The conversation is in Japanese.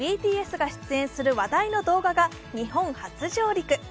ＢＴＳが出演する話題の動画が日本初上陸。